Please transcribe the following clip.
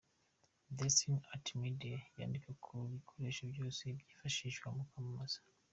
Destiny Art Media yandika ku bikoresho byose byifashishwa mu kwamamaza.